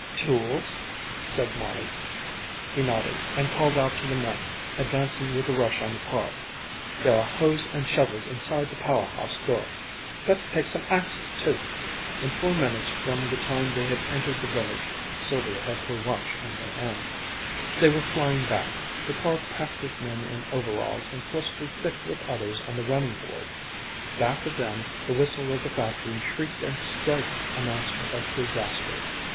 "Tools?" said Molly. He nodded and called out to the men advancing with a rush on the car: "There are hoes and shovels inside the power house door. Better take some axes too." In four minutes from the time they had entered the village (Sylvia had her watch in her hand) they were flying back, the car packed with men in overalls and clustered thick with others on the running board. Back of them the whistle of the factory shrieked a strident announcement of disaster.